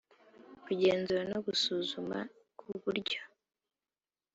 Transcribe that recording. kugenzura no gusuzuma ku buryo